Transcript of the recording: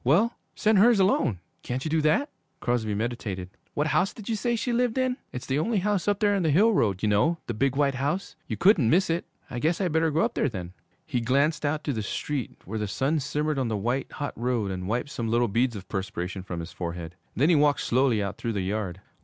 'Well, send hers alone. Can't you do that?' Crosby meditated. 'What house did you say she lived in?' 'It's the only house up there on the hill road. You know! The big, white house. You couldn't miss it.' 'I guess I better go up there then.' He glanced out to the street, where the sun simmered on the white, hot road, and wiped some little beads of perspiration from his forehead. Then he walked slowly out through the yard.